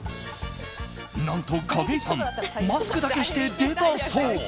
何と、景井さんマスクだけして出たそう。